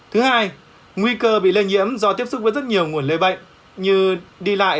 thứ hai nguy cơ bị lây nhiễm do tiếp xúc với rất nhiều nguồn lây bệnh như đi lại